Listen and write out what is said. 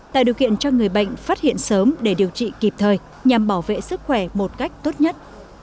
tạo điều kiện cho người bệnh phát hiện sớm để điều trị kịp thời nhằm bảo vệ sức khỏe một cách tốt nhất